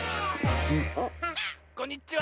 こんにちは！